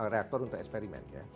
reaktor untuk eksperimen ya